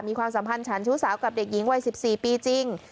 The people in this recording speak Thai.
ความสัมพันธ์ฉันชู้สาวกับเด็กหญิงวัย๑๔ปีจริง